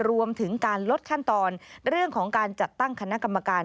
รวมถึงการลดขั้นตอนเรื่องของการจัดตั้งคณะกรรมการ